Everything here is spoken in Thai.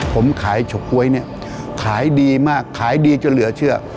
ผมขายเฉาก๊วยเนี่ยขายดีมากขายดีจนเหลือเชื่อ